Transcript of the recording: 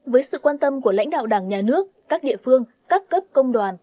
với sự quan tâm của lãnh đạo đảng nhà nước các địa phương các cấp công đoàn